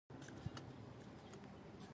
جیبو کې څه پیدا نه شول.